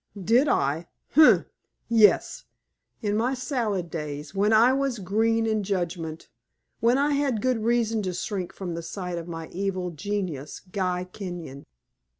"Did I? Humph! Yes; 'in my salad days, when I was green in judgment' when I had good reason to shrink from the sight of my evil genius, Guy Kenyon."